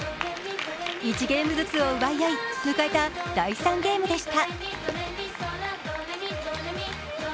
１ゲームずつを奪い合い、迎えた第３ゲームでした。